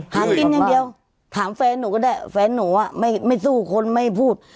หากินอย่างเดียวถามแฟนหนูก็ได้แฟนหนูอ่ะไม่สู้คนไม่พูด